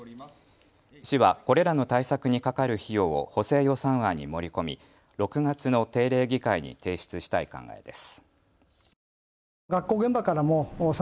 市はこれらの対策にかかる費用を補正予算案に盛り込み６月の定例議会に提出したい考えです。